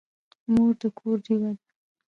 مور د کور ډېوه ده.